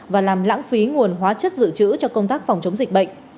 và làm lãng phí nguồn hóa chất dự trữ cho công tác phòng chống dịch bệnh